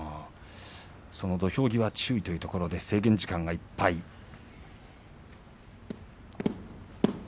出足注意土俵際注意というところで制限時間いっぱいです。